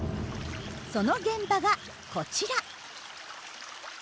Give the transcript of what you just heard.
その現場がこちら。